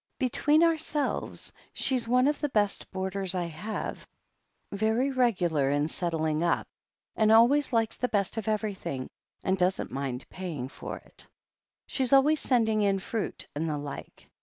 Between our selves, she's one of the best boarders I have — very regtdar in settling up, and always likes the best of ever3rthing, and doesn't mind paying for it. She's always sending in fruit, and the like.